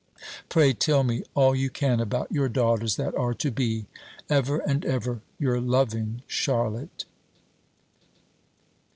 Pray tell me all you can about your daughters that are to be. Ever and ever your loving CHARLOTTE.